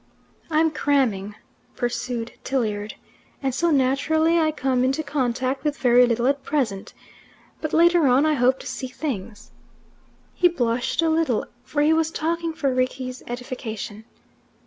"I'm cramming," pursued Tilliard, "and so naturally I come into contact with very little at present. But later on I hope to see things." He blushed a little, for he was talking for Rickie's edification.